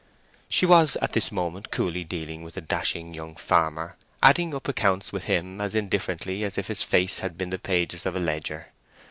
She was at this moment coolly dealing with a dashing young farmer, adding up accounts with him as indifferently as if his face had been the pages of a ledger.